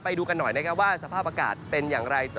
ไปดูกันหน่อยนะครับว่าสภาพอากาศเป็นอย่างไร